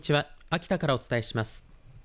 秋田からお伝えします。